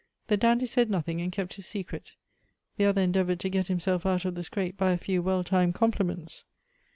The dandy said nothing, and kept his secret ; the other endeavored to get himself out of the scrape by a few well timed compliments.